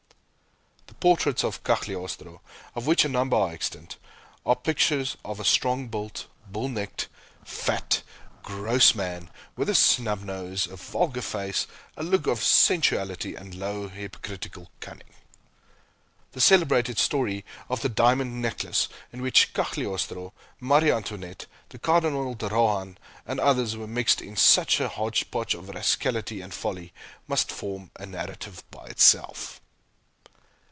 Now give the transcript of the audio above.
The portraits of Cagliostro, of which a number are extant, are pictures of a strong built, bull necked, fat, gross man, with a snub nose, a vulgar face, a look of sensuality and low hypocritical cunning. The celebrated story of "The Diamond Necklace," in which Cagliostro, Marie Antoinette, the Cardinal de Rohan, and others were mixed in such a hodge podge of rascality and folly, must form a narrative by itself.